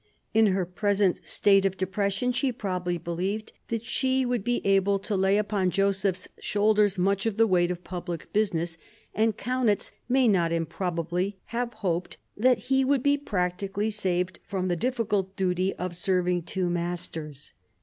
In her, present state of depression, she probably believed that she would be able to lay upon Joseph's sh</' *ers much of the weight of public business, ana" Kaunitz may not improbably have hoped that he would be practically saved from the difficult duty of serving two masters.